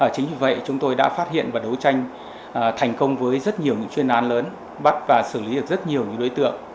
chính vì vậy chúng tôi đã phát hiện và đấu tranh thành công với rất nhiều những chuyên án lớn bắt và xử lý được rất nhiều những đối tượng